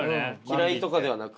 嫌いとかではなく？